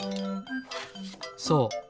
そう。